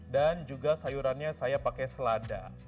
dan juga sayurannya saya pakai selada